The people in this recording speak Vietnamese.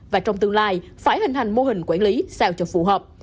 và trong tương lai phải hình hành mô hình quản lý sao cho phù hợp